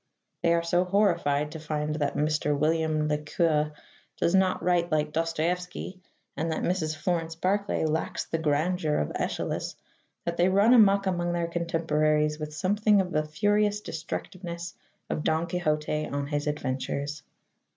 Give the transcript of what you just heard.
They are so horrified to find that Mr. William Le Queux does not write like Dostoevsky and that Mrs. Florence Barclay lacks the grandeur of Æschylus that they run amok among their contemporaries with something of the furious destructiveness of Don Quixote on his adventures.